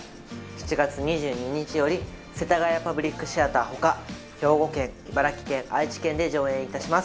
７月２２日より世田谷パブリックシアター他兵庫県茨城県愛知県で上演いたします。